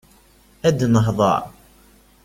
Ad nehḍeṛ.